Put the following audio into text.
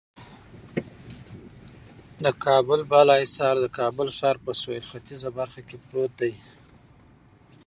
د کابل بالا حصار د کابل ښار په سهیل ختیځه برخه کې پروت دی.